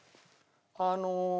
あの。